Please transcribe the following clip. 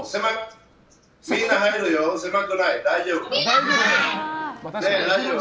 大丈夫。